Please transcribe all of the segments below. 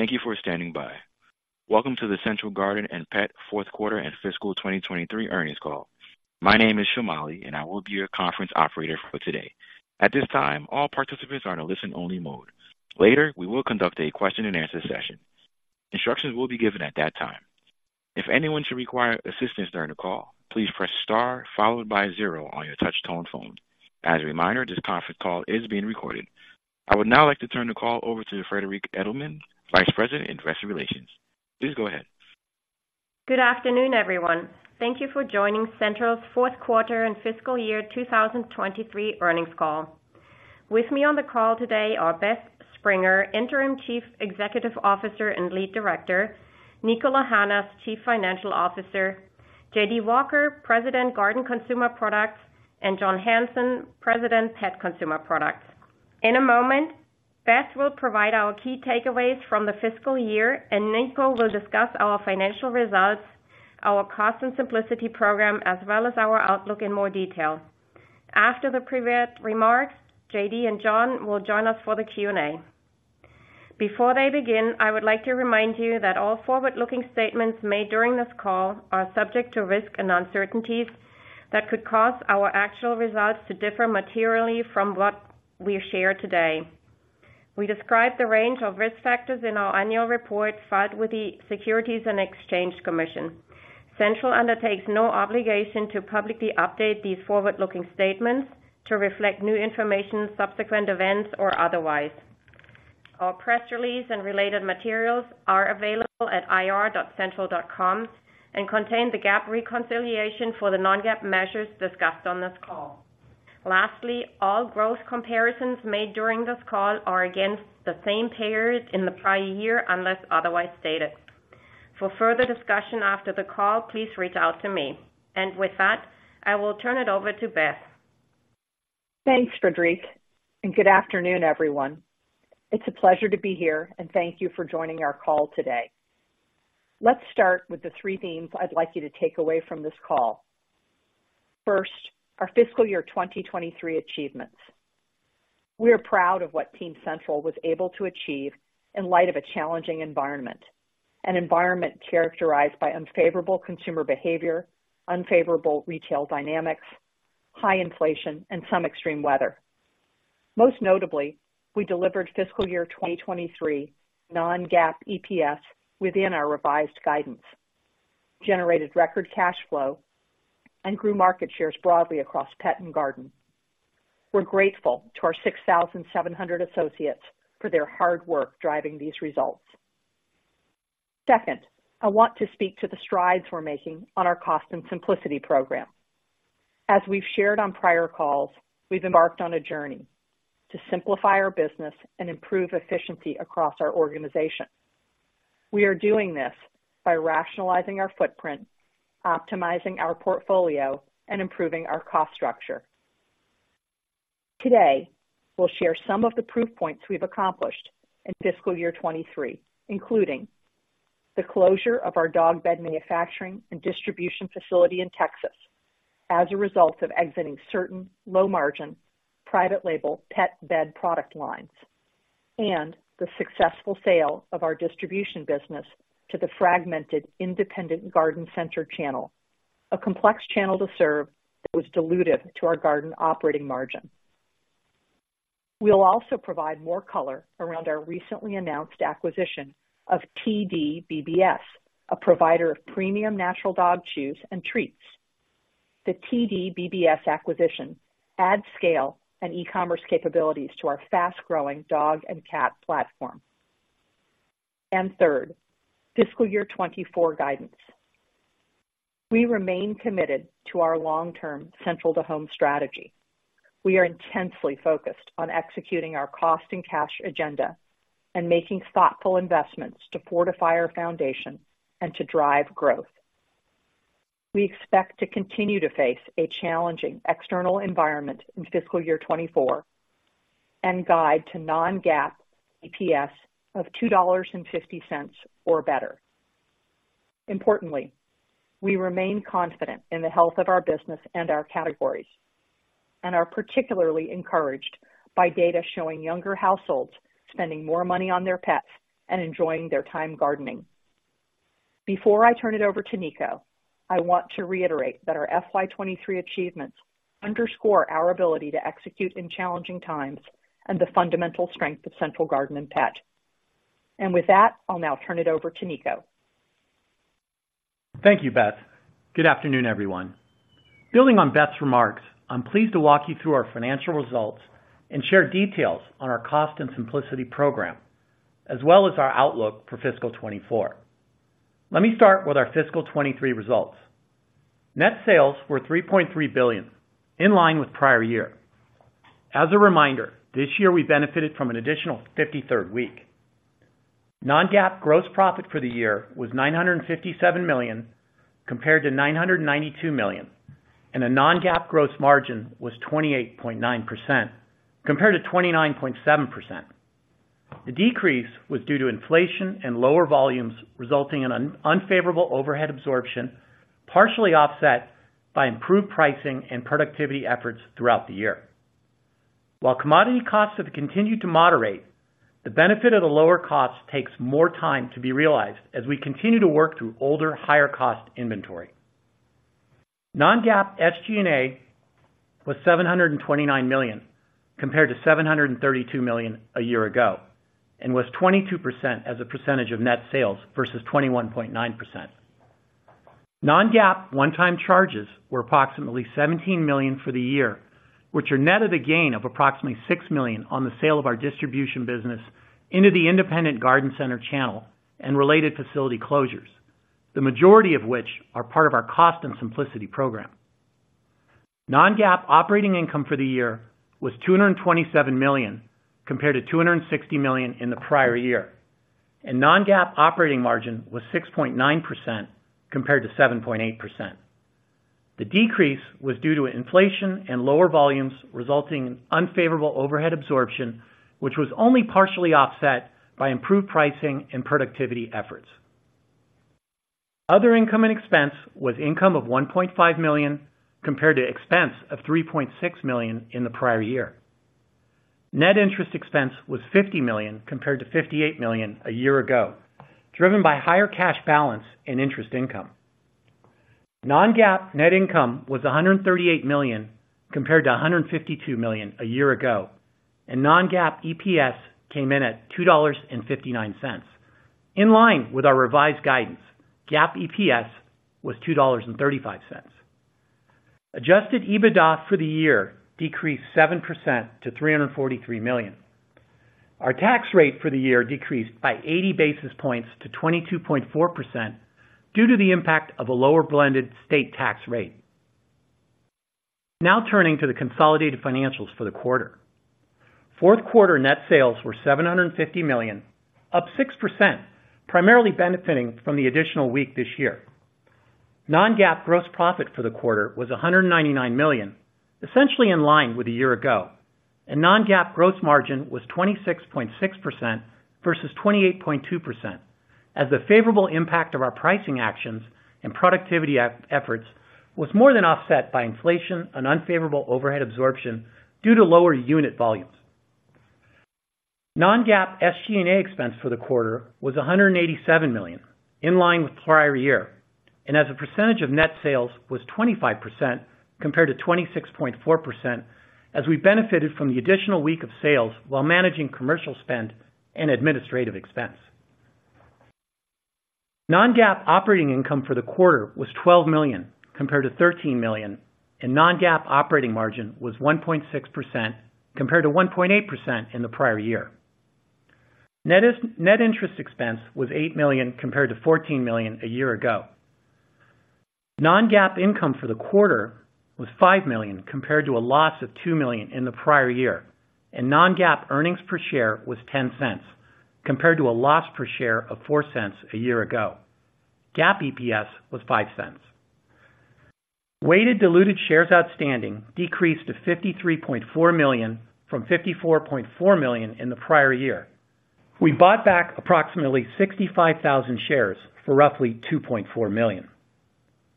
Thank you for standing by. Welcome to the Central Garden & Pet fourth quarter and fiscal 2023 earnings call. My name is Shamali, and I will be your conference operator for today. At this time, all participants are in a listen-only mode. Later, we will conduct a question-and-answer session. Instructions will be given at that time. If anyone should require assistance during the call, please press star followed by zero on your touch tone phone. As a reminder, this conference call is being recorded. I would now like to turn the call over to Friederike Edelmann, Vice President, Investor Relations. Please go ahead. Good afternoon, everyone. Thank you for joining Central's fourth quarter and fiscal year 2023 earnings call. With me on the call today are Beth Springer, Interim Chief Executive Officer and Lead Director, Niko Lahanas, Chief Financial Officer, J.D. Walker, President, Garden Consumer Products, and John Hanson, President, Pet Consumer Products. In a moment, Beth will provide our key takeaways from the fiscal year, and Niko will discuss our financial results, our Cost and Simplicity program, as well as our outlook in more detail. After the previous remarks, J.D. and John will join us for the Q&A. Before they begin, I would like to remind you that all forward-looking statements made during this call are subject to risks and uncertainties that could cause our actual results to differ materially from what we share today. We describe the range of risk factors in our annual report filed with the Securities and Exchange Commission. Central undertakes no obligation to publicly update these forward-looking statements to reflect new information, subsequent events, or otherwise. Our press release and related materials are available at ir.central.com and contain the GAAP reconciliation for the non-GAAP measures discussed on this call. Lastly, all growth comparisons made during this call are against the same period in the prior year, unless otherwise stated. For further discussion after the call, please reach out to me. And with that, I will turn it over to Beth. Thanks, Friederike, and good afternoon, everyone. It's a pleasure to be here and thank you for joining our call today. Let's start with the three themes I'd like you to take away from this call. First, our fiscal year 2023 achievements. We are proud of what Team Central was able to achieve in light of a challenging environment, an environment characterized by unfavorable consumer behavior, unfavorable retail dynamics, high inflation, and some extreme weather. Most notably, we delivered fiscal year 2023 non-GAAP EPS within our revised guidance, generated record cash flow, and grew market shares broadly across pet and garden. We're grateful to our 6,700 associates for their hard work driving these results. Second, I want to speak to the strides we're making on our Cost and Simplicity program. As we've shared on prior calls, we've embarked on a journey to simplify our business and improve efficiency across our organization. We are doing this by rationalizing our footprint, optimizing our portfolio, and improving our cost structure. Today, we'll share some of the proof points we've accomplished in fiscal year 2023, including the closure of our dog bed manufacturing and distribution facility in Texas as a result of exiting certain low-margin, private label pet bed product lines, and the successful sale of our distribution business to the fragmented independent garden center channel, a complex channel to serve that was dilutive to our garden operating margin. We'll also provide more color around our recently announced acquisition of TDBBS, a provider of premium natural dog chews and treats. The TDBBS acquisition adds scale and e-commerce capabilities to our fast-growing dog and cat platform. And third, fiscal year 2024 guidance. We remain committed to our long-term central to home strategy. We are intensely focused on executing our cost and cash agenda and making thoughtful investments to fortify our foundation and to drive growth. We expect to continue to face a challenging external environment in fiscal year 2024 and guide to non-GAAP EPS of $2.50 or better. Importantly, we remain confident in the health of our business and our categories and are particularly encouraged by data showing younger households spending more money on their pets and enjoying their time gardening. Before I turn it over to Niko, I want to reiterate that our FY 2023 achievements underscore our ability to execute in challenging times and the fundamental strength of Central Garden & Pet. With that, I'll now turn it over to Niko. Thank you, Beth. Good afternoon, everyone. Building on Beth's remarks, I'm pleased to walk you through our financial results and share details on our Cost and Simplicity program, as well as our outlook for fiscal 2024. Let me start with our fiscal 2023 results. Net sales were $3.3 billion, in line with prior year. As a reminder, this year, we benefited from an additional 53rd week. Non-GAAP gross profit for the year was $957 million, compared to $992 million, and a non-GAAP gross margin was 28.9%, compared to 29.7%. The decrease was due to inflation and lower volumes, resulting in an unfavorable overhead absorption, partially offset by improved pricing and productivity efforts throughout the year.... While commodity costs have continued to moderate, the benefit of the lower costs takes more time to be realized as we continue to work through older, higher cost inventory. Non-GAAP SG&A was $729 million, compared to $732 million a year ago, and was 22% as a percentage of net sales versus 21.9%. Non-GAAP one-time charges were approximately $17 million for the year, which are net of the gain of approximately $6 million on the sale of our distribution business into the independent garden center channel and related facility closures, the majority of which are part of our Cost and Simplicity program. Non-GAAP operating income for the year was $227 million, compared to $260 million in the prior year, and non-GAAP operating margin was 6.9%, compared to 7.8%. The decrease was due to inflation and lower volumes, resulting in unfavorable overhead absorption, which was only partially offset by improved pricing and productivity efforts. Other income and expense was income of $1.5 million, compared to expense of $3.6 million in the prior year. Net interest expense was $50 million, compared to $58 million a year ago, driven by higher cash balance and interest income. Non-GAAP net income was $138 million, compared to $152 million a year ago, and Non-GAAP EPS came in at $2.59. In line with our revised guidance, GAAP EPS was $2.35. Adjusted EBITDA for the year decreased 7% to $343 million. Our tax rate for the year decreased by 80 basis points to 22.4%, due to the impact of a lower blended state tax rate. Now turning to the consolidated financials for the quarter. Fourth quarter net sales were $750 million, up 6%, primarily benefiting from the additional week this year. Non-GAAP gross profit for the quarter was $199 million, essentially in line with a year ago, and non-GAAP gross margin was 26.6% versus 28.2%, as the favorable impact of our pricing actions and productivity efforts was more than offset by inflation and unfavorable overhead absorption due to lower unit volumes. Non-GAAP SG&A expense for the quarter was $187 million, in line with prior year, and as a percentage of net sales was 25% compared to 26.4%, as we benefited from the additional week of sales while managing commercial spend and administrative expense. Non-GAAP operating income for the quarter was $12 million, compared to $13 million, and non-GAAP operating margin was 1.6%, compared to 1.8% in the prior year. Net interest expense was $8 million, compared to $14 million a year ago. Non-GAAP income for the quarter was $5 million, compared to a loss of $2 million in the prior year, and non-GAAP earnings per share was $0.10, compared to a loss per share of $0.04 a year ago. GAAP EPS was $0.05. Weighted diluted shares outstanding decreased to 53.4 million from 54.4 million in the prior year. We bought back approximately 65,000 shares for roughly $2.4 million.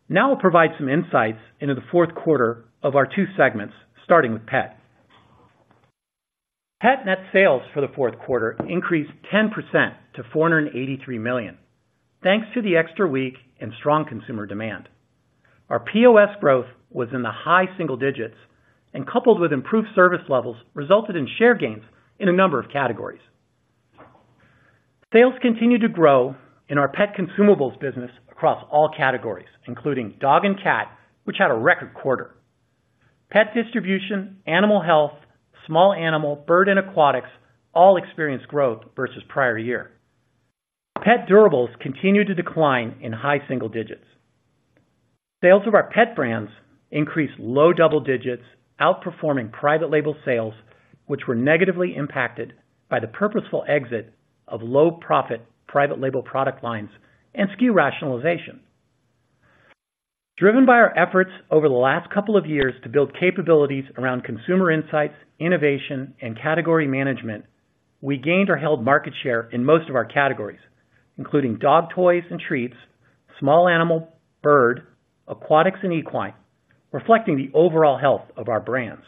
Now we'll provide some insights into the fourth quarter of our two segments, starting with Pet. Pet net sales for the fourth quarter increased 10% to $483 million, thanks to the extra week and strong consumer demand. Our POS growth was in the high single digits and, coupled with improved service levels, resulted in share gains in a number of categories. Sales continued to grow in our pet consumables business across all categories, including dog and cat, which had a record quarter. Pet distribution, animal health, small animal, bird, and aquatics all experienced growth versus prior year. Pet durables continued to decline in high single digits. Sales of our pet brands increased low double digits, outperforming private label sales, which were negatively impacted by the purposeful exit of low profit private label product lines and SKU rationalization. Driven by our efforts over the last couple of years to build capabilities around consumer insights, innovation, and category management, we gained or held market share in most of our categories, including dog toys and treats, small animal, bird, aquatics and equine, reflecting the overall health of our brands.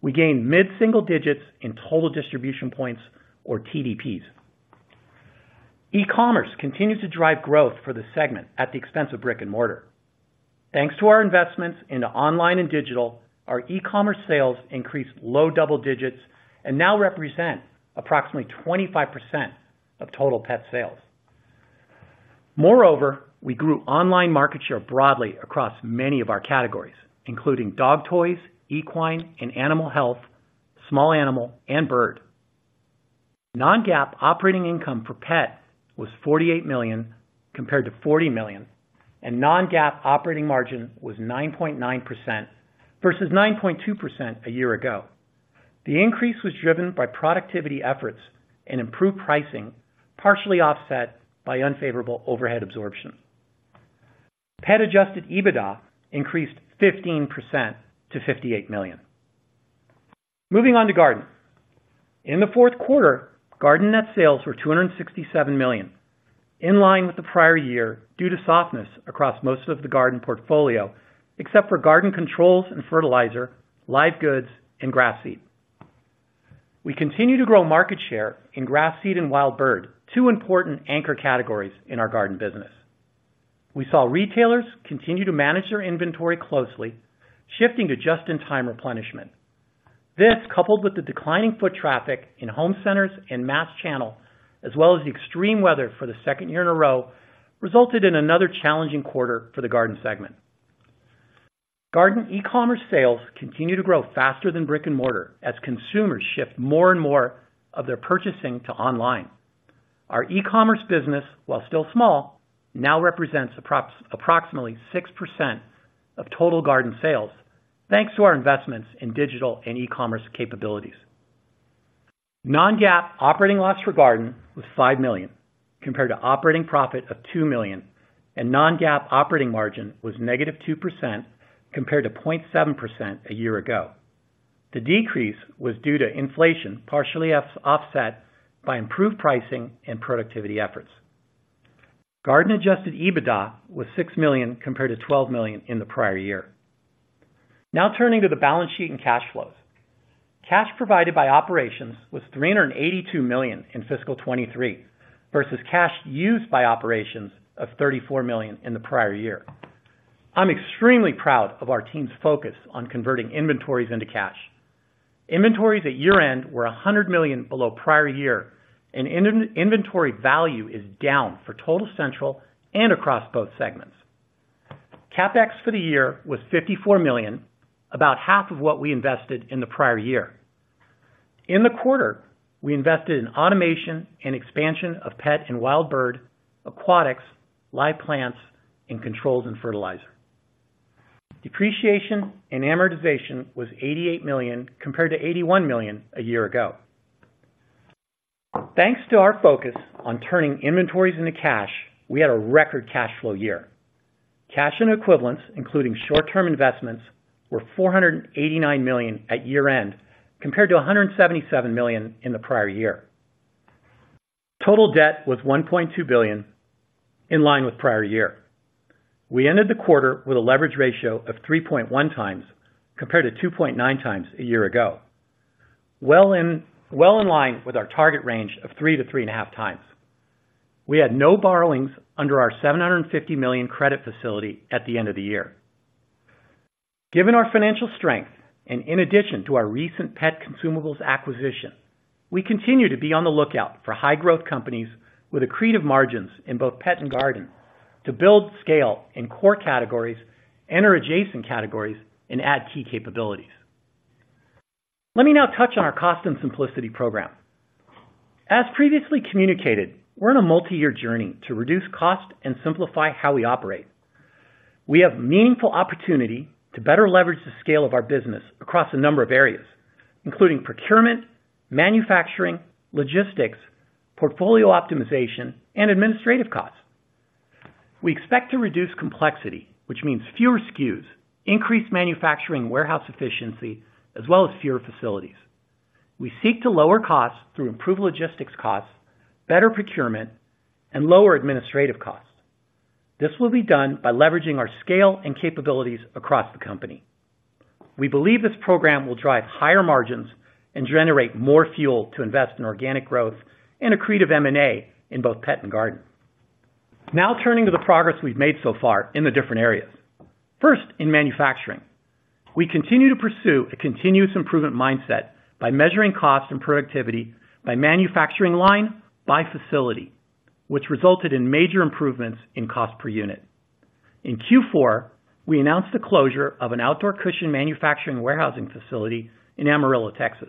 We gained mid-single digits in total distribution points, or TDPs. E-commerce continues to drive growth for the segment at the expense of brick and mortar. Thanks to our investments into online and digital, our e-commerce sales increased low double digits and now represent approximately 25% of total pet sales. Moreover, we grew online market share broadly across many of our categories, including dog toys, equine and animal health, small animal, and bird. Non-GAAP operating income for Pet was $48 million, compared to $40 million, and non-GAAP operating margin was 9.9% versus 9.2% a year ago. The increase was driven by productivity efforts and improved pricing, partially offset by unfavorable overhead absorption. Pet adjusted EBITDA increased 15% to $58 million. Moving on to Garden. In the fourth quarter, Garden net sales were $267 million, in line with the prior year, due to softness across most of the Garden portfolio, except for Garden controls and fertilizer, live goods, and grass seed. We continue to grow market share in grass seed and wild bird, two important anchor categories in our Garden business. We saw retailers continue to manage their inventory closely, shifting to just-in-time replenishment. This, coupled with the declining foot traffic in home centers and mass channel, as well as the extreme weather for the second year in a row, resulted in another challenging quarter for the garden segment. Garden e-commerce sales continue to grow faster than brick-and-mortar as consumers shift more and more of their purchasing to online. Our e-commerce business, while still small, now represents approximately 6% of total garden sales, thanks to our investments in digital and e-commerce capabilities. Non-GAAP operating loss for garden was $5 million, compared to operating profit of $2 million, and non-GAAP operating margin was -2%, compared to 0.7% a year ago. The decrease was due to inflation, partially offset by improved pricing and productivity efforts. Garden adjusted EBITDA was $6 million, compared to $12 million in the prior year. Now turning to the balance sheet and cash flows. Cash provided by operations was $382 million in fiscal 2023, versus cash used by operations of $34 million in the prior year. I'm extremely proud of our team's focus on converting inventories into cash. Inventories at year-end were $100 million below prior year, and inventory value is down for total Central and across both segments. CapEx for the year was $54 million, about half of what we invested in the prior year. In the quarter, we invested in automation and expansion of pet and wild bird, aquatics, live plants, and controls and fertilizer. Depreciation and amortization was $88 million, compared to $81 million a year ago. Thanks to our focus on turning inventories into cash, we had a record cash flow year. Cash and equivalents, including short-term investments, were $489 million at year-end, compared to $177 million in the prior year. Total debt was $1.2 billion, in line with prior year. We ended the quarter with a leverage ratio of 3.1 times, compared to 2.9 times a year ago. Well in line with our target range of 3-3.5 times. We had no borrowings under our $750 million credit facility at the end of the year. Given our financial strength, and in addition to our recent pet consumables acquisition, we continue to be on the lookout for high growth companies with accretive margins in both pet and garden to build scale in core categories, enter adjacent categories and add key capabilities. Let me now touch on our Cost and Simplicity program. As previously communicated, we're on a multi-year journey to reduce cost and simplify how we operate. We have meaningful opportunity to better leverage the scale of our business across a number of areas, including procurement, manufacturing, logistics, portfolio optimization, and administrative costs. We expect to reduce complexity, which means fewer SKUs, increased manufacturing warehouse efficiency, as well as fewer facilities. We seek to lower costs through improved logistics costs, better procurement, and lower administrative costs. This will be done by leveraging our scale and capabilities across the company. We believe this program will drive higher margins and generate more fuel to invest in organic growth and accretive M&A in both pet and garden. Now turning to the progress we've made so far in the different areas. First, in manufacturing. We continue to pursue a continuous improvement mindset by measuring cost and productivity by manufacturing line, by facility, which resulted in major improvements in cost per unit. In Q4, we announced the closure of an outdoor cushion manufacturing warehousing facility in Amarillo, Texas,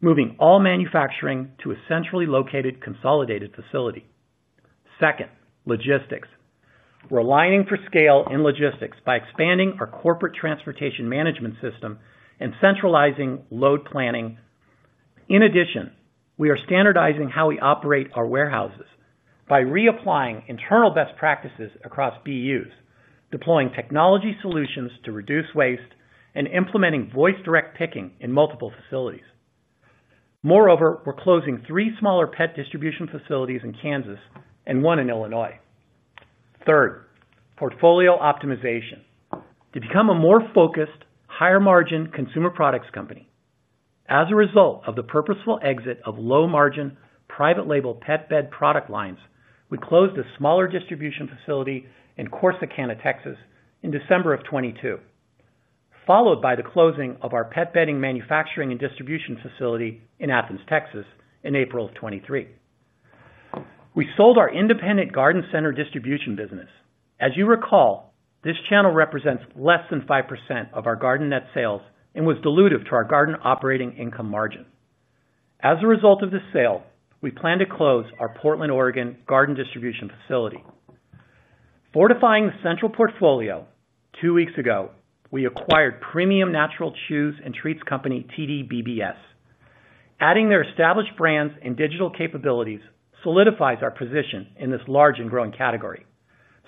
moving all manufacturing to a centrally located consolidated facility. Second, logistics. We're aligning for scale in logistics by expanding our corporate transportation management system and centralizing load planning. In addition, we are standardizing how we operate our warehouses by reapplying internal best practices across BUs, deploying technology solutions to reduce waste, and implementing voice direct picking in multiple facilities. Moreover, we're closing three smaller pet distribution facilities in Kansas and one in Illinois. Third, portfolio optimization. To become a more focused, higher margin consumer products company, as a result of the purposeful exit of low margin, private label pet bed product lines, we closed a smaller distribution facility in Corsicana, Texas, in December of 2022, followed by the closing of our pet bedding manufacturing and distribution facility in Athens, Texas, in April of 2023. We sold our independent garden center distribution business. As you recall, this channel represents less than 5% of our garden net sales and was dilutive to our garden operating income margin. As a result of this sale, we plan to close our Portland, Oregon, garden distribution facility. Fortifying the Central portfolio, two weeks ago, we acquired premium natural chews and treats company, TDBBS. Adding their established brands and digital capabilities solidifies our position in this large and growing category....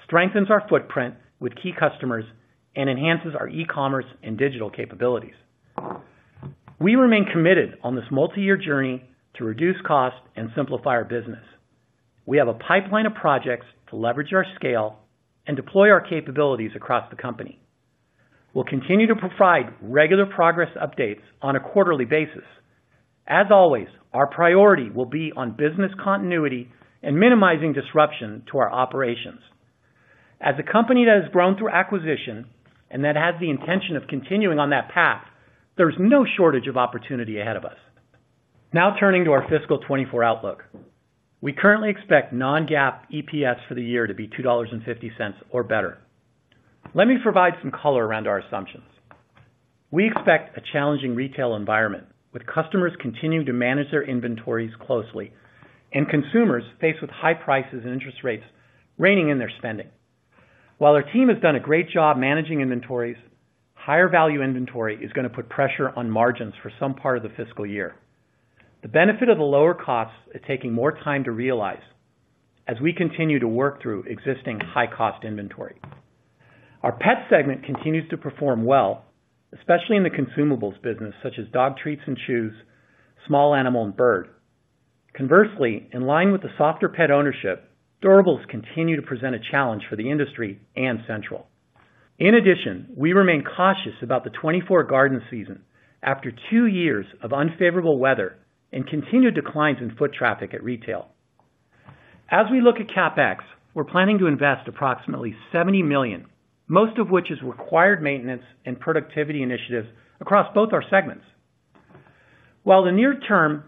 Strengthens our footprint with key customers and enhances our e-commerce and digital capabilities. We remain committed on this multi-year journey to reduce costs and simplify our business. We have a pipeline of projects to leverage our scale and deploy our capabilities across the company. We'll continue to provide regular progress updates on a quarterly basis. As always, our priority will be on business continuity and minimizing disruption to our operations. As a company that has grown through acquisition and that has the intention of continuing on that path, there's no shortage of opportunity ahead of us. Now, turning to our fiscal 2024 outlook. We currently expect non-GAAP EPS for the year to be $2.50 or better. Let me provide some color around our assumptions. We expect a challenging retail environment, with customers continuing to manage their inventories closely and consumers faced with high prices and interest rates reining in their spending. While our team has done a great job managing inventories, higher value inventory is gonna put pressure on margins for some part of the fiscal year. The benefit of the lower costs is taking more time to realize as we continue to work through existing high-cost inventory. Our pet segment continues to perform well, especially in the consumables business, such as dog treats and chews, small animal, and bird. Conversely, in line with the softer pet ownership, durables continue to present a challenge for the industry and Central. In addition, we remain cautious about the 2024 garden season after two years of unfavorable weather and continued declines in foot traffic at retail. As we look at CapEx, we're planning to invest approximately $70 million, most of which is required maintenance and productivity initiatives across both our segments. While the near-term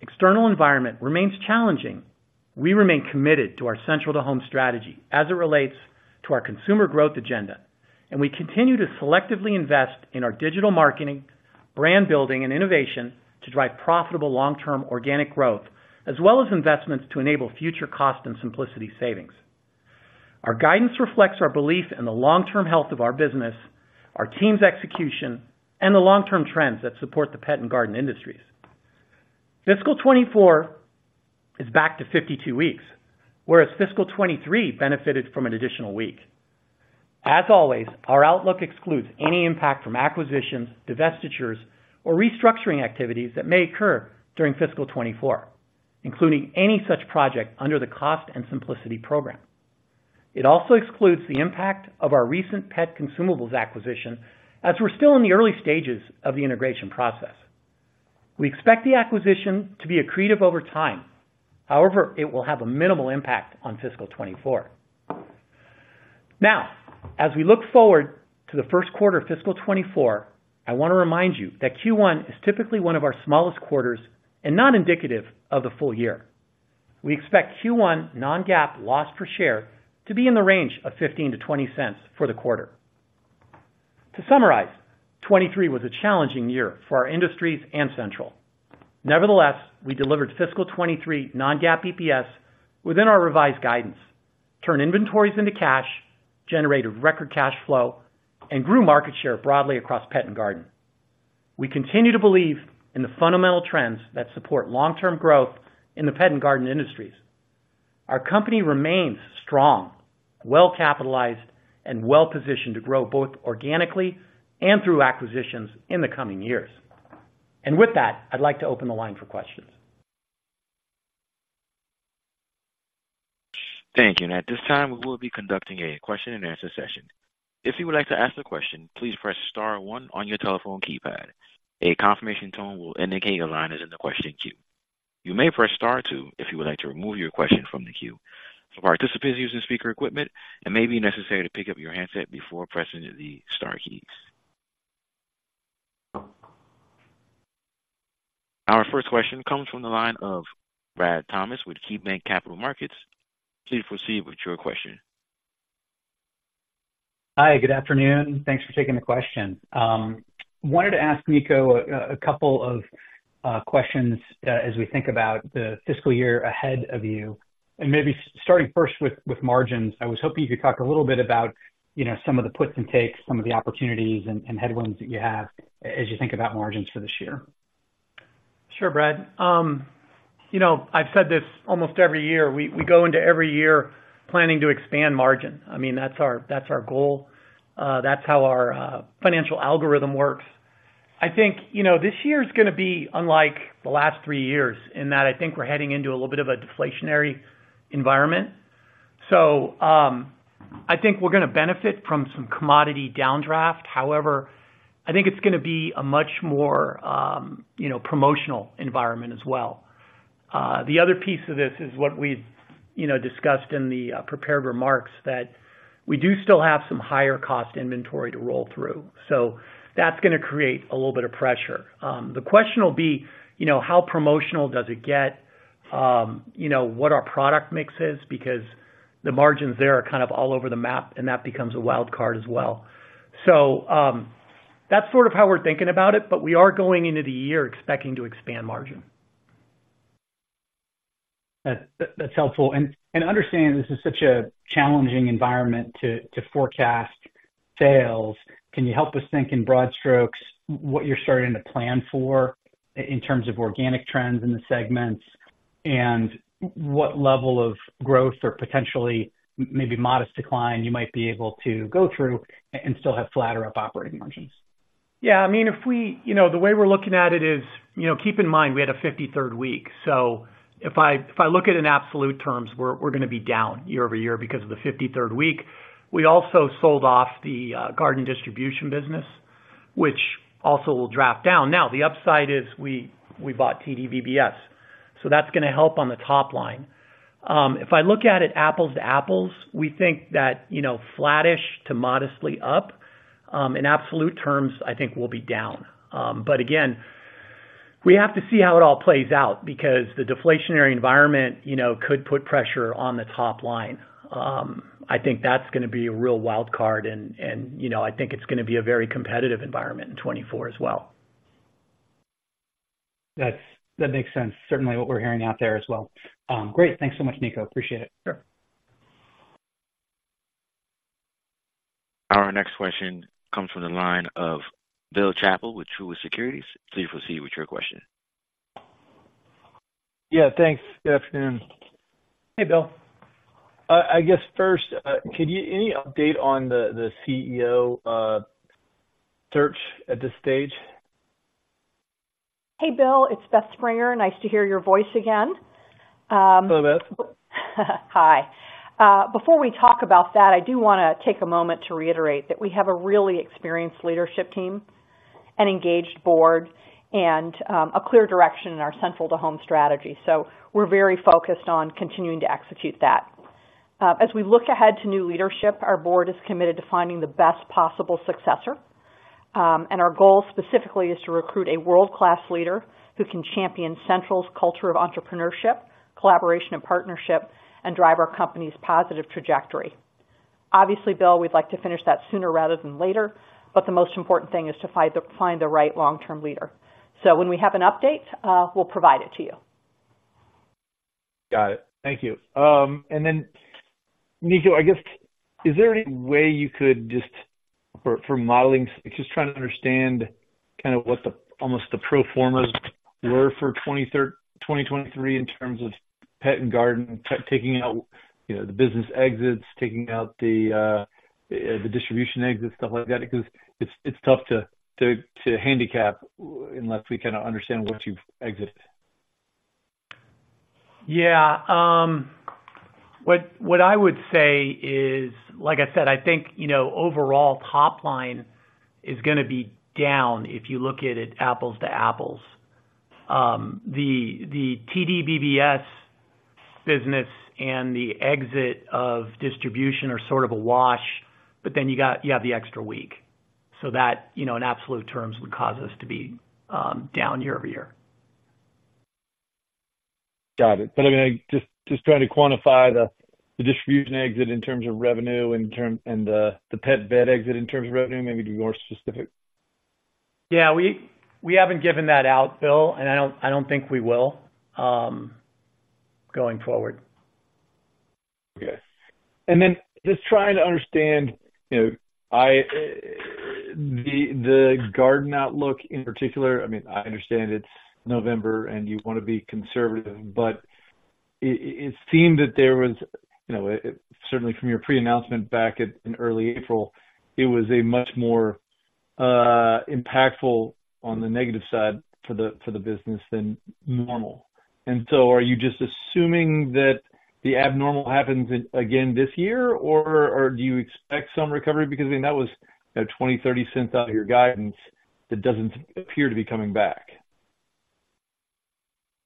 external environment remains challenging, we remain committed to our Central to Home strategy as it relates to our consumer growth agenda, and we continue to selectively invest in our digital marketing, brand building, and innovation to drive profitable long-term organic growth, as well as investments to enable future cost and simplicity savings. Our guidance reflects our belief in the long-term health of our business, our team's execution, and the long-term trends that support the pet and garden industries. Fiscal 2024 is back to 52 weeks, whereas fiscal 2023 benefited from an additional week. As always, our outlook excludes any impact from acquisitions, divestitures, or restructuring activities that may occur during fiscal 2024, including any such project under the Cost and Simplicity program. It also excludes the impact of our recent pet consumables acquisition, as we're still in the early stages of the integration process. We expect the acquisition to be accretive over time. However, it will have a minimal impact on fiscal 2024. Now, as we look forward to the first quarter of fiscal 2024, I want to remind you that Q1 is typically one of our smallest quarters and not indicative of the full year. We expect Q1 non-GAAP loss per share to be in the range of $0.15-$0.20 for the quarter. To summarize, 2023 was a challenging year for our industries and Central. Nevertheless, we delivered fiscal 2023 non-GAAP EPS within our revised guidance, turned inventories into cash, generated record cash flow, and grew market share broadly across pet and garden. We continue to believe in the fundamental trends that support long-term growth in the pet and garden industries. Our company remains strong, well-capitalized, and well-positioned to grow both organically and through acquisitions in the coming years. With that, I'd like to open the line for questions. Thank you. At this time, we will be conducting a question-and-answer session. If you would like to ask a question, please press star one on your telephone keypad. A confirmation tone will indicate your line is in the question queue. You may press star two if you would like to remove your question from the queue. For participants using speaker equipment, it may be necessary to pick up your handset before pressing the star keys. Our first question comes from the line of Brad Thomas with KeyBanc Capital Markets. Please proceed with your question. Hi, good afternoon. Thanks for taking the question. Wanted to ask Niko a couple of questions as we think about the fiscal year ahead of you, and maybe starting first with margins. I was hoping you could talk a little bit about, you know, some of the puts and takes, some of the opportunities and headwinds that you have as you think about margins for this year. Sure, Brad. You know, I've said this almost every year. We go into every year planning to expand margin. I mean, that's our, that's our goal. That's how our financial algorithm works. I think, you know, this year's gonna be unlike the last three years in that I think we're heading into a little bit of a deflationary environment. So, I think we're gonna benefit from some commodity downdraft. However, I think it's gonna be a much more, you know, promotional environment as well. The other piece of this is what we've, you know, discussed in the prepared remarks, that we do still have some higher cost inventory to roll through, so that's gonna create a little bit of pressure. The question will be, you know, how promotional does it get? You know, what our product mix is, because the margins there are kind of all over the map, and that becomes a wild card as well. So, that's sort of how we're thinking about it, but we are going into the year expecting to expand margin. That, that's helpful. And understanding this is such a challenging environment to forecast sales, can you help us think in broad strokes, what you're starting to plan for in terms of organic trends in the segments? And what level of growth or potentially maybe modest decline you might be able to go through and still have flat or up operating margins? Yeah, I mean, if we, you know, the way we're looking at it is, you know, keep in mind, we had a 53rd week, so if I look at it in absolute terms, we're gonna be down year-over-year because of the 53rd week. We also sold off the garden distribution business, which also will drop down. Now, the upside is we bought TDBBS, so that's gonna help on the top line. If I look at it apples to apples, we think that, you know, flattish to modestly up. In absolute terms, I think we'll be down. But again, we have to see how it all plays out because the deflationary environment, you know, could put pressure on the top line. I think that's gonna be a real wild card and, you know, I think it's gonna be a very competitive environment in 2024 as well. That makes sense. Certainly what we're hearing out there as well. Great. Thanks so much, Niko. Appreciate it. Sure. Our next question comes from the line of Bill Chappell with Truist Securities. Please proceed with your question. Yeah, thanks. Good afternoon. Hey, Bill. I guess first, could you any update on the CEO search at this stage? Hey, Bill, it's Beth Springer. Nice to hear your voice again. Hello, Beth. Hi. Before we talk about that, I do wanna take a moment to reiterate that we have a really experienced leadership team, an engaged board, and a clear direction in our Central-to-Home strategy. So we're very focused on continuing to execute that. As we look ahead to new leadership, our board is committed to finding the best possible successor. Our goal specifically is to recruit a world-class leader who can champion Central's culture of entrepreneurship, collaboration and partnership, and drive our company's positive trajectory. Obviously, Bill, we'd like to finish that sooner rather than later, but the most important thing is to find the right long-term leader. So when we have an update, we'll provide it to you. Got it. Thank you. And then Niko, I guess, is there any way you could just... for modeling, just trying to understand kind of what the, almost the pro formas were for 2023 in terms of pet and garden, taking out, you know, the business exits, taking out the distribution exits, stuff like that, because it's tough to handicap unless we kinda understand what you've exited. Yeah, what I would say is, like I said, I think, you know, overall, top line is gonna be down if you look at it apples to apples. The TDBBS business and the exit of distribution are sort of a wash, but then you have the extra week, so that, you know, in absolute terms, would cause us to be down year-over-year. Got it. But, I mean, I'm just trying to quantify the distribution exit in terms of revenue and the pet bed exit in terms of revenue, maybe be more specific. Yeah, we, we haven't given that out, Bill, and I don't, I don't think we will, going forward. Okay. Then just trying to understand, you know, I, the, the garden outlook in particular, I mean, I understand it's November and you wanna be conservative, but it seemed that there was, you know, it certainly from your pre-announcement back in early April, it was a much more impactful on the negative side for the business than normal. And so are you just assuming that the abnormal happens in again this year, or do you expect some recovery? Because, I mean, that was, you know, $0.20-$0.30 out of your guidance that doesn't appear to be coming back.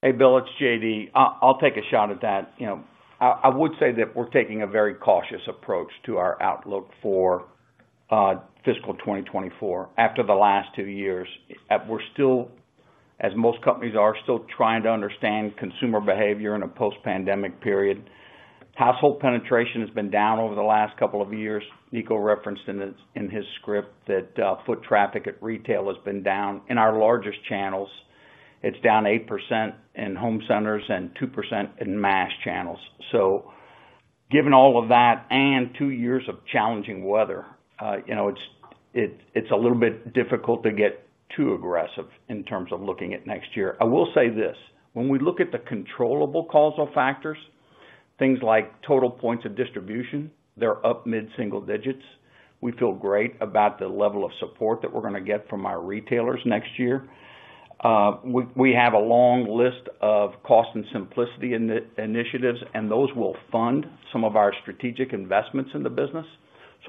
Hey, Bill, it's J.D. I, I'll take a shot at that. You know, I, I would say that we're taking a very cautious approach to our outlook for fiscal 2024 after the last two years. We're still, as most companies are, still trying to understand consumer behavior in a post-pandemic period. Household penetration has been down over the last couple of years. Niko referenced in his, in his script that foot traffic at retail has been down. In our largest channels, it's down 8% in home centers and 2% in mass channels. So given all of that and two years of challenging weather, you know, it's, it, it's a little bit difficult to get too aggressive in terms of looking at next year. I will say this, when we look at the controllable causal factors, things like total points of distribution, they're up mid-single digits. We feel great about the level of support that we're gonna get from our retailers next year. We have a long list of cost and simplicity initiatives, and those will fund some of our strategic investments in the business.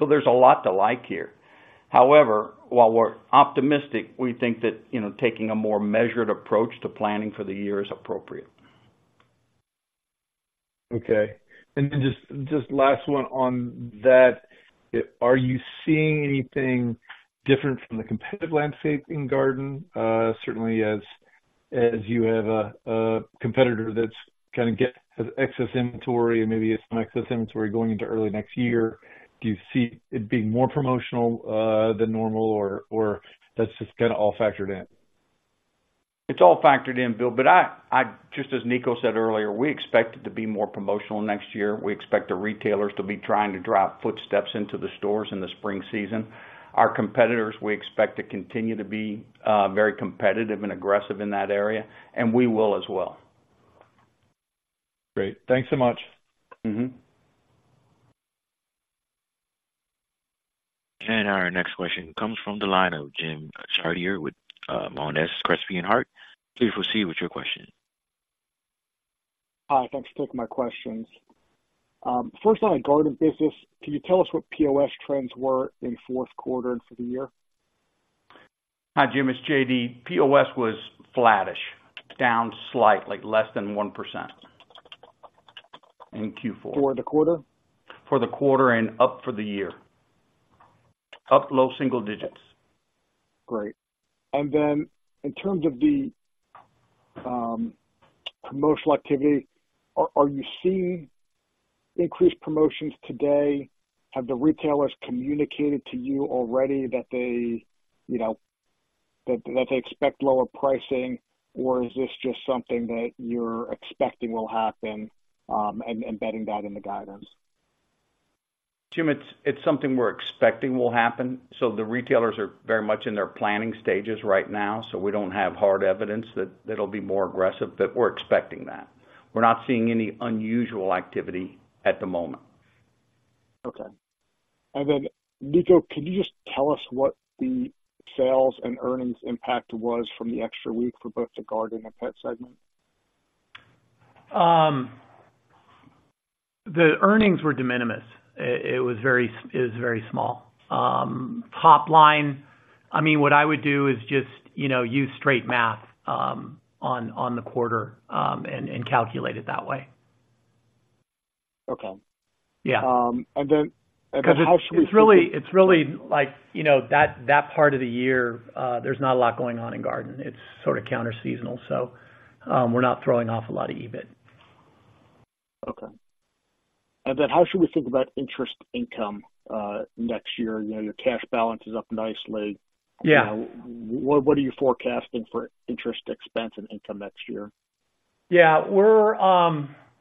So there's a lot to like here. However, while we're optimistic, we think that, you know, taking a more measured approach to planning for the year is appropriate. Okay. And then just, just last one on that. Are you seeing anything different from the competitive landscape in garden? Certainly as, as you have a, a competitor that's gonna get excess inventory and maybe get some excess inventory going into early next year, do you see it being more promotional than normal, or, or that's just kinda all factored in? It's all factored in, Bill, but I just as Niko said earlier, we expect it to be more promotional next year. We expect the retailers to be trying to drive footsteps into the stores in the spring season. Our competitors, we expect to continue to be very competitive and aggressive in that area, and we will as well. Great. Thanks so much. Mm-hmm. Our next question comes from the line of Jim Chartier with Monness, Crespi, Hardt. Please proceed with your question. Hi, thanks for taking my questions. First on the garden business, can you tell us what POS trends were in fourth quarter and for the year? Hi, Jim, it's J.D. POS was flattish, down slightly, less than 1% in Q4. For the quarter? For the quarter and up for the year. Up low single digits. Great. And then in terms of the promotional activity, are you seeing increased promotions today? Have the retailers communicated to you already that they, you know, that they expect lower pricing, or is this just something that you're expecting will happen, and embedding that in the guidance? Jim, it's, it's something we're expecting will happen. So the retailers are very much in their planning stages right now, so we don't have hard evidence that it'll be more aggressive, but we're expecting that. We're not seeing any unusual activity at the moment. Okay. And then, Niko, can you just tell us what the sales and earnings impact was from the extra week for both the garden and pet segment? The earnings were de minimis. It was very small. Top line, I mean, what I would do is just, you know, use straight math on the quarter and calculate it that way. Okay. Yeah. And then. 'Cause it's really, it's really like, you know, that part of the year. There's not a lot going on in garden. It's sort of counterseasonal, so we're not throwing off a lot of EBIT. Okay. And then how should we think about interest income, next year? You know, your cash balance is up nicely. Yeah. What, what are you forecasting for interest expense and income next year? Yeah, we're...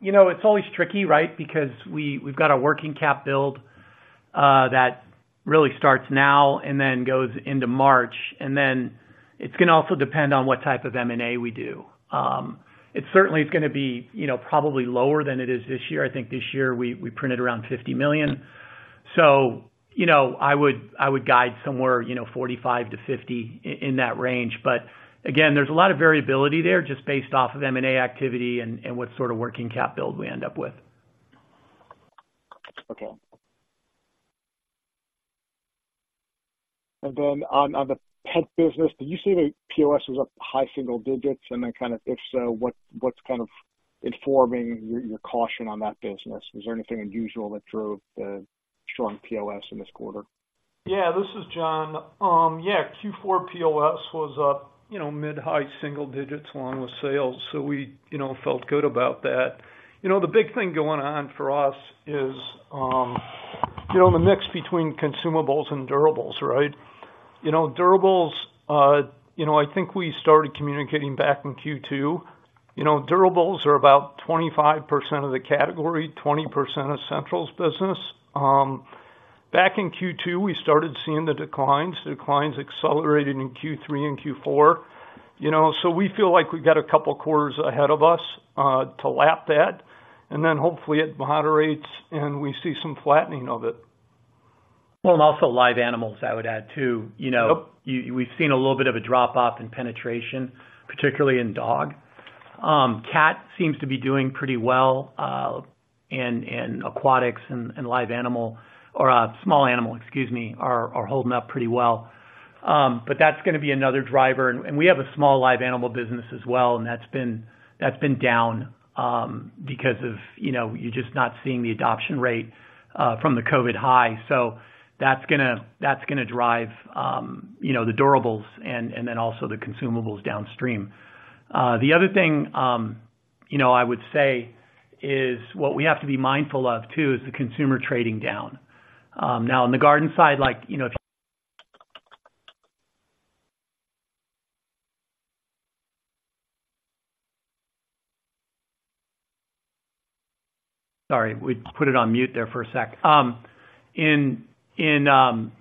You know, it's always tricky, right? Because we, we've got a working cap build, that really starts now and then goes into March, and then it's gonna also depend on what type of M&A we do. It certainly is gonna be, you know, probably lower than it is this year. I think this year we, we printed around $50 million. So, you know, I would, I would guide somewhere, you know, $45 million-$50 million, in that range. But again, there's a lot of variability there, just based off of M&A activity and, and what sort of working cap build we end up with. Okay. And then on the pet business, did you say the POS was up high single digits? And then kind of if so, what's kind of informing your caution on that business? Is there anything unusual that drove the strong POS in this quarter? Yeah, this is John. Yeah, Q4 POS was up, you know, mid-high single digits along with sales. So we, you know, felt good about that. You know, the big thing going on for us is, you know, the mix between consumables and durables, right? You know, durables, you know, I think we started communicating back in Q2. You know, durables are about 25% of the category, 20% of Central's business. Back in Q2, we started seeing the declines. The declines accelerated in Q3 and Q4. You know, so we feel like we've got a couple quarters ahead of us, to lap that, and then hopefully it moderates, and we see some flattening of it. Well, and also live animals, I would add, too. Yep. You know, we've seen a little bit of a drop-off in penetration, particularly in dog. Cat seems to be doing pretty well, and aquatics and live animal or small animal, excuse me, are holding up pretty well. But that's gonna be another driver, and we have a small live animal business as well, and that's been down because of, you know, you're just not seeing the adoption rate from the COVID high. So that's gonna drive, you know, the durables and then also the consumables downstream. The other thing, you know, I would say is what we have to be mindful of, too, is the consumer trading down. Now on the garden side, like, you know, if... Sorry, we put it on mute there for a sec. In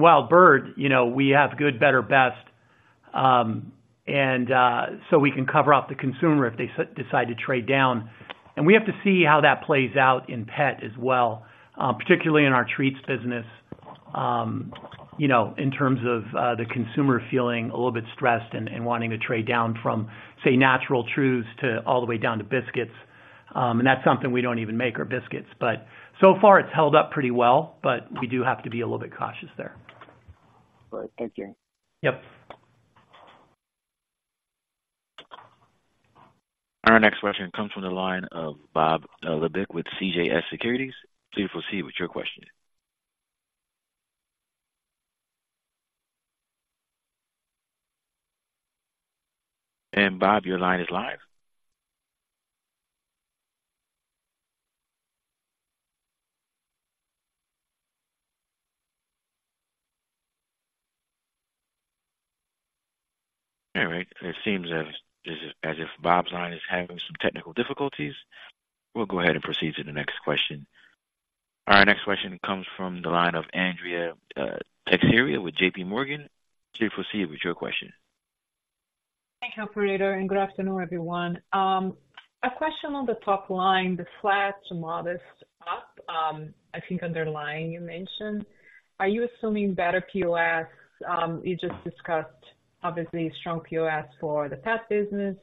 Wild Bird, you know, we have good, better, best, and so we can cover up the consumer if they decide to trade down. And we have to see how that plays out in pet as well, particularly in our treats business, you know, in terms of the consumer feeling a little bit stressed and wanting to trade down from, say, Natural Chews to all the way down to biscuits. And that's something we don't even make biscuits, but so far it's held up pretty well, but we do have to be a little bit cautious there. Thank you. Yep. Our next question comes from the line of Bob Labick with CJS Securities. Please proceed with your question. And Bob, your line is live. All right, it seems as if Bob's line is having some technical difficulties. We'll go ahead and proceed to the next question. Our next question comes from the line of Andrea Teixeira with J.P. Morgan. Please proceed with your question. Thank you, operator, and good afternoon, everyone. A question on the top line, the flat to modest up, I think underlying you mentioned. Are you assuming better POS? You just discussed obviously strong POS for the pet business,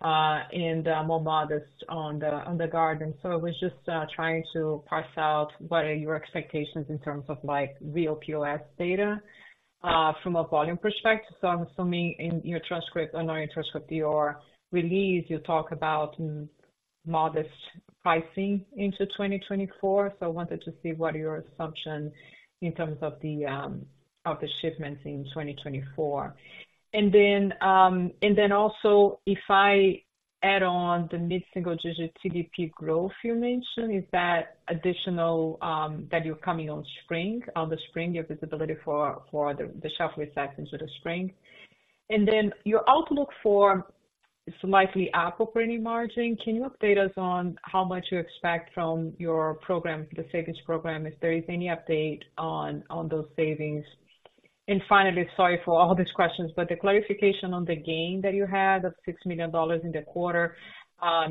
and more modest on the garden. So I was just trying to parse out what are your expectations in terms of like real POS data, from a volume perspective. So I'm assuming in your transcript, on your transcript, your release, you talk about modest pricing into 2024. So I wanted to see what are your assumptions in terms of the, of the shipments in 2024. And then also, if I add on the mid-single digit TDP growth you mentioned, is that additional, that you're coming on the spring, your visibility for the shelf effects into the spring? And then your outlook for slightly up operating margin, can you update us on how much you expect from your program, the savings program, if there is any update on those savings? And finally, sorry for all these questions, but the clarification on the gain that you had of $6 million in the quarter,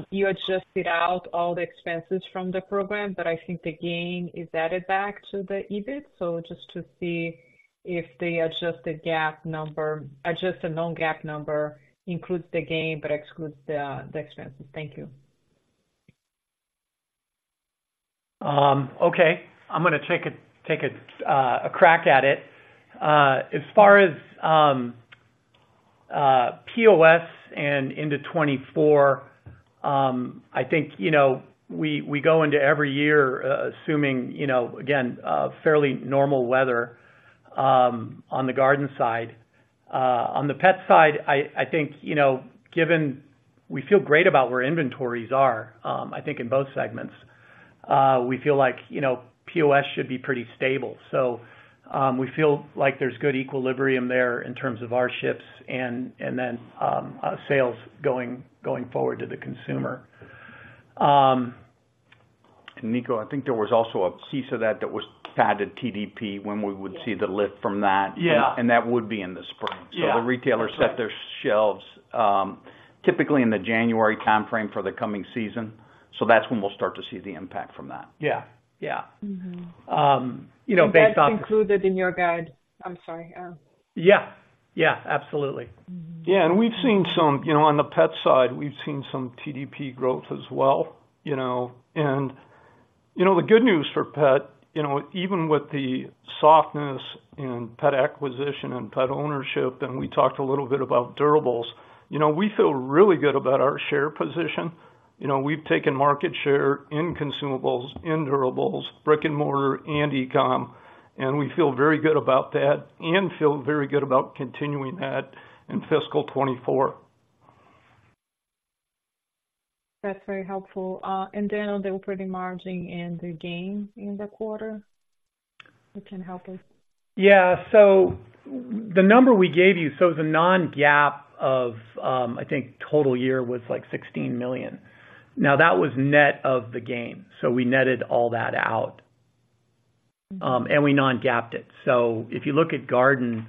you adjusted out all the expenses from the program, but I think the gain is added back to the EBIT. So just to see if the adjusted GAAP number... adjusted non-GAAP number includes the gain, but excludes the expenses. Thank you. Okay. I'm gonna take a crack at it. As far as POS and into 2024, I think, you know, we go into every year assuming, you know, again, a fairly normal weather on the garden side. On the pet side, I think, you know, given we feel great about where inventories are, I think in both segments, we feel like, you know, POS should be pretty stable. So, we feel like there's good equilibrium there in terms of our ships and then sales going forward to the consumer. Niko, I think there was also a piece of that that was added TDP, when we would see the lift from that. Yeah. That would be in the spring. Yeah. So the retailers set their shelves, typically in the January timeframe for the coming season. So that's when we'll start to see the impact from that. Yeah. Yeah. Mm-hmm. You know, based on- That's included in your guide. I'm sorry. Yeah. Yeah, absolutely. Mm-hmm. Yeah, and we've seen some... You know, on the pet side, we've seen some TDP growth as well, you know. And, you know, the good news for pet, you know, even with the softness in pet acquisition and pet ownership, and we talked a little bit about durables, you know, we feel really good about our share position. You know, we've taken market share in consumables, in durables, brick-and-mortar, and e-com, and we feel very good about that, and feel very good about continuing that in fiscal 2024. That's very helpful. And then on the operating margin and the gain in the quarter, you can help us? Yeah. So the number we gave you, so the Non-GAAP of, I think total year was like $16 million. Now, that was net of the gain, so we netted all that out, and we Non-GAAPed it. So if you look at garden,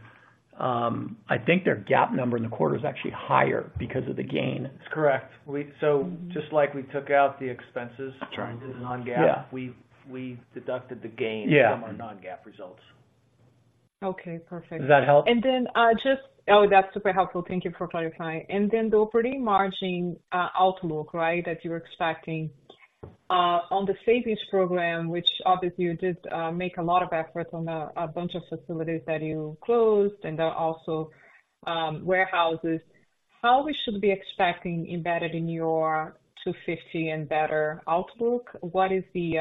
I think their GAAP number in the quarter is actually higher because of the gain. That's correct. We- Mm-hmm. Just like we took out the expenses- That's right. doing the non-GAAP. Yeah. We deducted the gain- Yeah - from our non-GAAP results. Okay, perfect. Does that help? And then, just-- Oh, that's super helpful. Thank you for clarifying. And then the operating margin, outlook, right? That you're expecting, on the savings program, which obviously you did, make a lot of efforts on a bunch of facilities that you closed, and then also, warehouses. How we should be expecting embedded in your $250 and better outlook? What is the,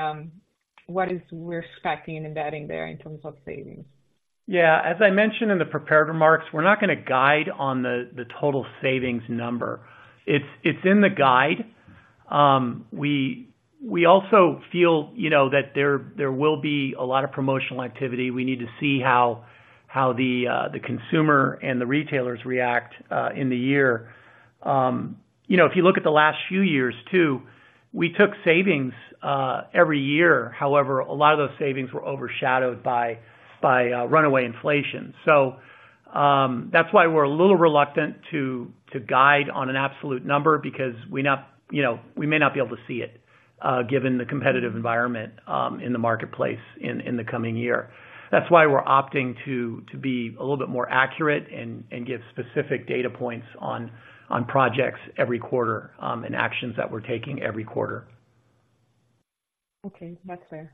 what is we're expecting and embedding there in terms of savings? Yeah, as I mentioned in the prepared remarks, we're not gonna guide on the total savings number. It's in the guide. We also feel, you know, that there will be a lot of promotional activity. We need to see how the consumer and the retailers react in the year. You know, if you look at the last few years too, we took savings every year. However, a lot of those savings were overshadowed by runaway inflation. So, that's why we're a little reluctant to guide on an absolute number because you know, we may not be able to see it, given the competitive environment in the marketplace in the coming year. That's why we're opting to be a little bit more accurate and give specific data points on projects every quarter, and actions that we're taking every quarter. Okay. That's fair.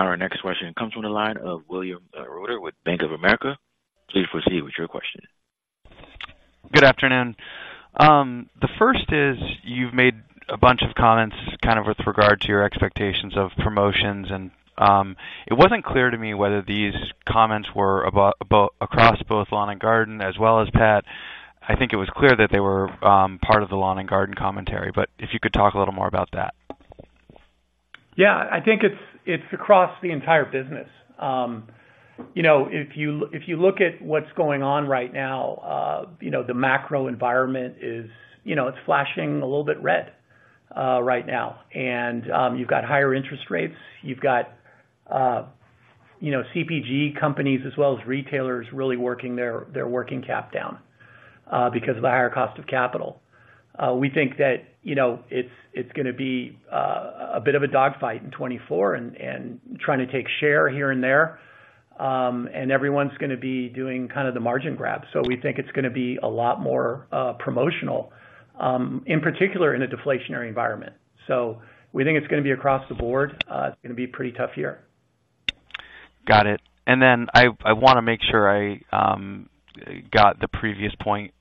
Okay, thank you. Our next question comes from the line of William Reuter with Bank of America. Please proceed with your question. Good afternoon. The first is, you've made a bunch of comments, kind of with regard to your expectations of promotions, and it wasn't clear to me whether these comments were across both lawn and garden, as well as pet. I think it was clear that they were part of the lawn and garden commentary, but if you could talk a little more about that. Yeah, I think it's across the entire business. You know, if you look at what's going on right now, you know, the macro environment is, you know, it's flashing a little bit red right now. And you've got higher interest rates. You've got, you know, CPG companies as well as retailers really working their working cap down because of the higher cost of capital. We think that, you know, it's gonna be a bit of a dogfight in 2024 and trying to take share here and there. And everyone's gonna be doing kind of the margin grab. So we think it's gonna be a lot more promotional in particular in a deflationary environment. So we think it's gonna be across the board. It's gonna be a pretty tough year. Got it. And then I wanna make sure I got the previous point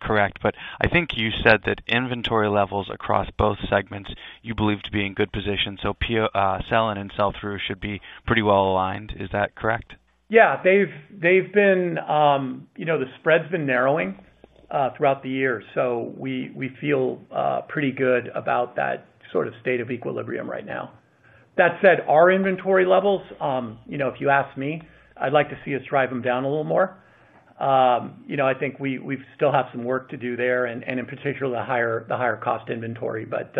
correct. But I think you said that inventory levels across both segments, you believe to be in good position. So PO sell in and sell through should be pretty well aligned. Is that correct? Yeah, they've been, you know, the spread's been narrowing throughout the year. So we feel pretty good about that sort of state of equilibrium right now. That said, our inventory levels, you know, if you ask me, I'd like to see us drive them down a little more. You know, I think we still have some work to do there, and in particular, the higher cost inventory. But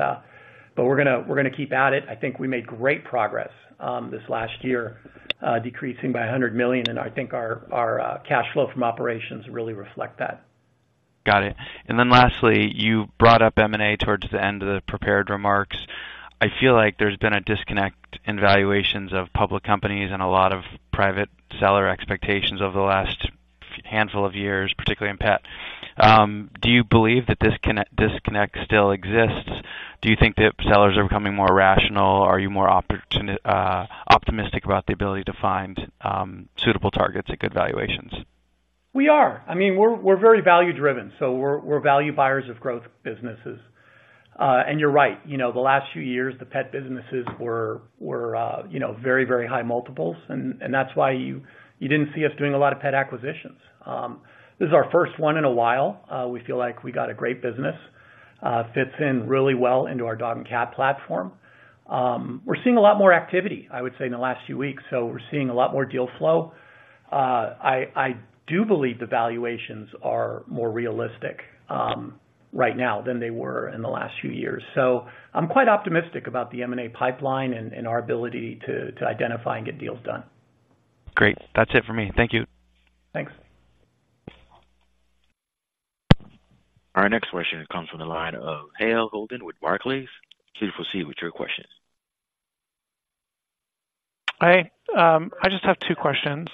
we're gonna keep at it. I think we made great progress this last year, decreasing by $100 million, and I think our cash flow from operations really reflect that. Got it. Then lastly, you brought up M&A towards the end of the prepared remarks. I feel like there's been a disconnect in valuations of public companies and a lot of private seller expectations over the last handful of years, particularly in pet. Do you believe that this disconnect still exists? Do you think that sellers are becoming more rational? Are you more optimistic about the ability to find suitable targets at good valuations? We are. I mean, we're very value-driven, so we're value buyers of growth businesses. And you're right, you know, the last few years, the pet businesses were, you know, very, very high multiples, and that's why you didn't see us doing a lot of pet acquisitions. This is our first one in a while. We feel like we got a great business, fits in really well into our dog and cat platform. We're seeing a lot more activity, I would say, in the last few weeks, so we're seeing a lot more deal flow. I do believe the valuations are more realistic right now than they were in the last few years. So I'm quite optimistic about the M&A pipeline and our ability to identify and get deals done. Great. That's it for me. Thank you. Thanks. Our next question comes from the line of Hale Holden with Barclays. Please proceed with your question. Hi. I just have two questions.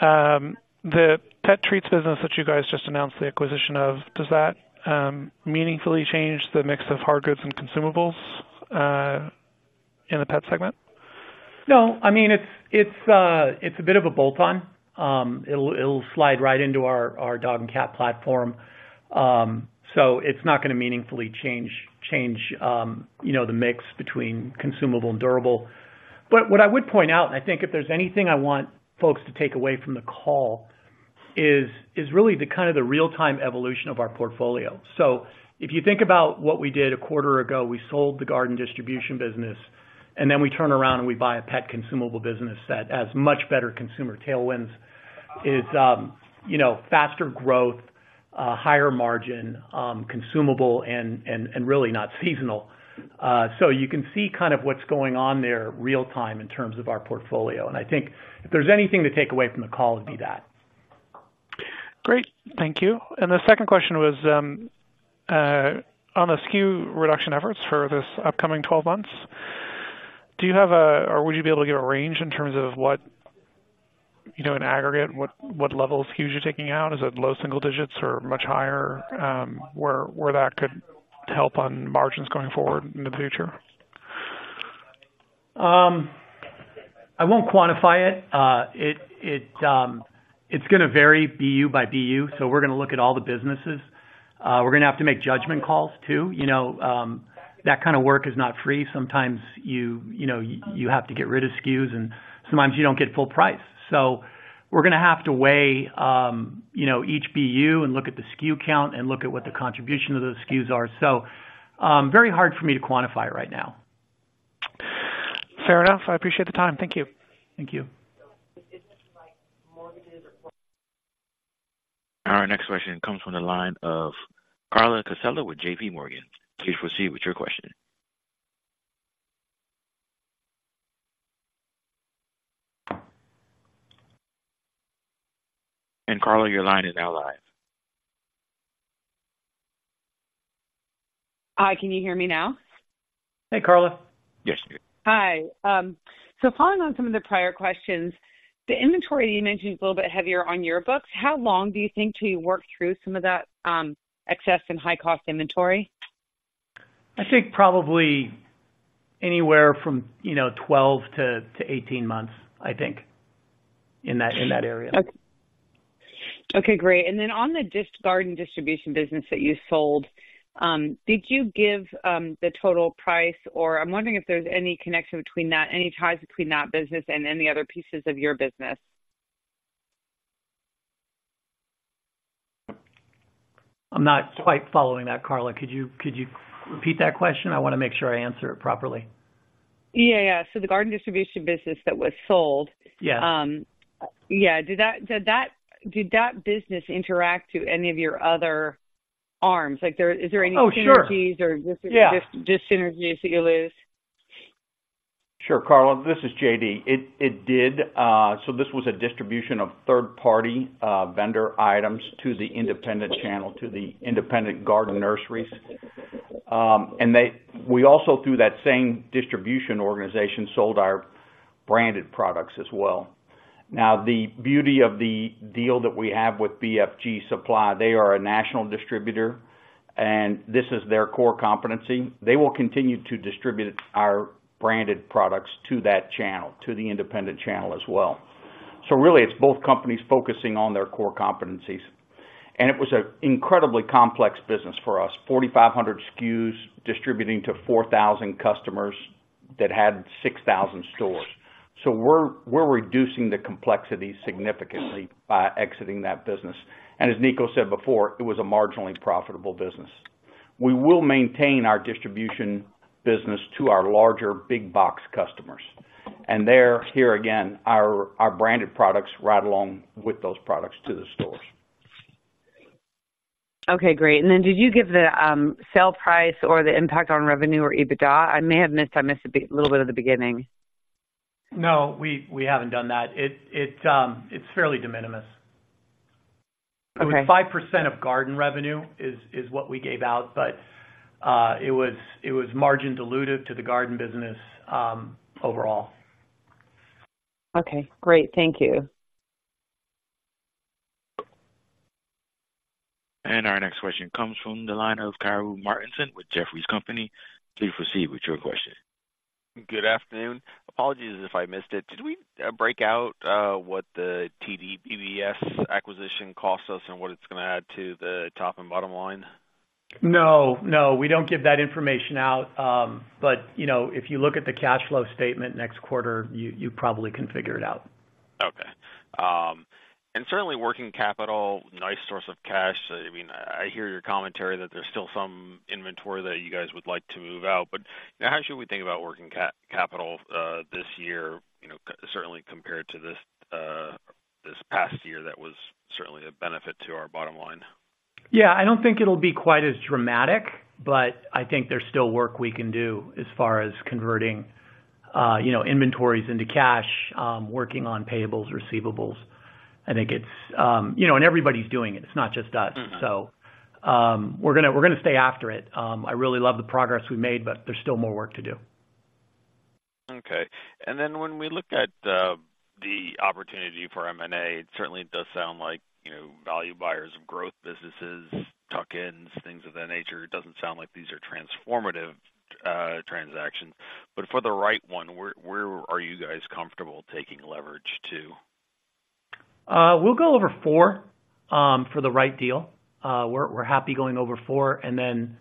The pet treats business that you guys just announced the acquisition of, does that meaningfully change the mix of hard goods and consumables in the pet segment? No, I mean, it's a bit of a bolt-on. It'll slide right into our dog and cat platform. So it's not gonna meaningfully change, you know, the mix between consumable and durable. But what I would point out, and I think if there's anything I want folks to take away from the call is really the kind of the real-time evolution of our portfolio. So if you think about what we did a quarter ago, we sold the garden distribution business, and then we turn around and we buy a pet consumable business that has much better consumer tailwinds. It's, you know, faster growth, higher margin, consumable and really not seasonal. So, you can see kind of what's going on there real time in terms of our portfolio, and I think if there's anything to take away from the call, it'd be that. Great. Thank you. The second question was, on the SKU reduction efforts for this upcoming 12 months, do you have a or would you be able to give a range in terms of what, you know, in aggregate, what, what level of SKUs you're taking out? Is it low single digits or much higher? Where, where that could help on margins going forward in the future? I won't quantify it. It's gonna vary BU by BU, so we're gonna look at all the businesses. We're gonna have to make judgment calls, too. You know, that kind of work is not free. Sometimes you know, you have to get rid of SKUs, and sometimes you don't get full price. So we're gonna have to weigh, you know, each BU and look at the SKU count and look at what the contribution of those SKUs are. So, very hard for me to quantify right now. Fair enough. I appreciate the time. Thank you. Thank you. Our next question comes from the line of Carla Casella with JPMorgan. Please proceed with your question. Carla, your line is now live. Hi, can you hear me now? Hey, Carla. Yes. Hi. So following on some of the prior questions, the inventory you mentioned is a little bit heavier on your books. How long do you think till you work through some of that, excess and high cost inventory? I think probably anywhere from 12-18 months, I think, in that area. Okay, great. And then on the garden distribution business that you sold, did you give the total price? Or I'm wondering if there's any connection between that, any ties between that business and any other pieces of your business? I'm not quite following that, Carla. Could you, could you repeat that question? I wanna make sure I answer it properly. Yeah, yeah. So the garden distribution business that was sold- Yeah. Yeah, did that business interact to any of your other arms? Like, there, is there any- Oh, sure. Synergies or dis- Yeah dissynergies that you lose? Sure, Carla, this is J.D. It, it did. So this was a distribution of third party vendor items to the independent channel, to the independent garden nurseries. And they, we also, through that same distribution organization, sold our branded products as well. Now, the beauty of the deal that we have with BFG Supply, they are a national distributor, and this is their core competency. They will continue to distribute our branded products to that channel, to the independent channel as well. So really, it's both companies focusing on their core competencies. And it was an incredibly complex business for us. 4,500 SKUs distributing to 4,000 customers that had 6,000 stores. So we're, we're reducing the complexity significantly by exiting that business. And as Niko said before, it was a marginally profitable business. We will maintain our distribution business to our larger big box customers, and they're, here again, our branded products ride along with those products to the stores. Okay, great. And then did you give the sale price or the impact on revenue or EBITDA? I may have missed. I missed a bit, little bit at the beginning. No, we haven't done that. It's fairly de minimis. Okay. It was 5% of garden revenue, is what we gave out, but it was margin dilutive to the garden business overall. Okay, great. Thank you. Our next question comes from the line of Karru Martinson with Jefferies. Please proceed with your question. Good afternoon. Apologies if I missed it, did we break out what the TDBBS acquisition cost us and what it's gonna add to the top and bottom line? No, no, we don't give that information out. But, you know, if you look at the cash flow statement next quarter, you probably can figure it out. Okay. And certainly working capital, nice source of cash. I mean, I hear your commentary that there's still some inventory that you guys would like to move out, but how should we think about working capital this year, you know, certainly compared to this past year, that was certainly a benefit to our bottom line? Yeah, I don't think it'll be quite as dramatic, but I think there's still work we can do as far as converting, you know, inventories into cash, working on payables, receivables. I think it's... You know, and everybody's doing it, it's not just us. Mm-hmm. So, we're gonna stay after it. I really love the progress we've made, but there's still more work to do. Okay. And then when we look at the opportunity for M&A, it certainly does sound like, you know, value buyers of growth businesses, tuck-ins, things of that nature. It doesn't sound like these are transformative transactions, but for the right one, where are you guys comfortable taking leverage to? We'll go over 4 for the right deal. We're happy going over 4 and then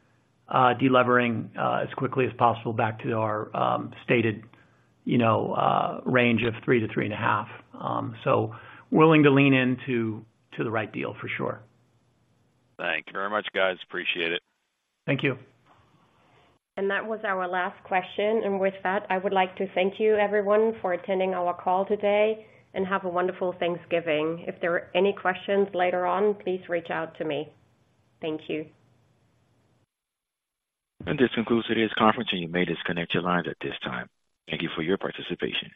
delevering as quickly as possible back to our stated, you know, range of 3-3.5. So willing to lean into the right deal for sure. Thank you very much, guys. Appreciate it. Thank you. That was our last question. With that, I would like to thank you, everyone, for attending our call today, and have a wonderful Thanksgiving. If there are any questions later on, please reach out to me. Thank you. This concludes today's conference, and you may disconnect your lines at this time. Thank you for your participation.